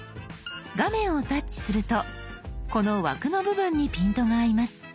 画面をタッチするとこの枠の部分にピントが合います。